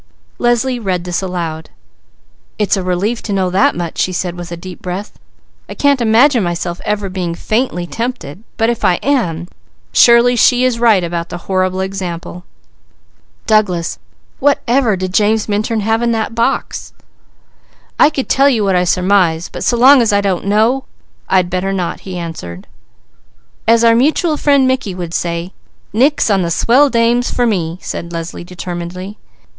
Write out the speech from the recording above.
Leslie read this aloud. "It's a relief to know that much," she said with a deep breath. "I can't imagine myself ever being 'faintly tempted," but if I am, surely she is right about the 'horrible example.' Douglas, whatever did James Minturn have in that box?" "I could tell you what I surmise, but so long as I don't know I'd better not," he answered. "As our mutual friend Mickey would say, 'Nix on the Swell Dames,' for me!" said Leslie determinedly.